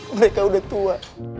mereka udah tua